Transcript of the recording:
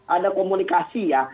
ada komunikasi ya